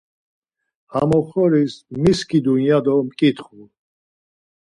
Ham oxoris mi skidun ya do mǩitxu.